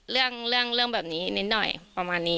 เรื่องเรื่องแบบนี้นิดหน่อยประมาณนี้